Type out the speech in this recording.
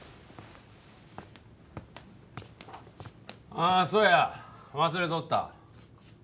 ああそうや忘れとった。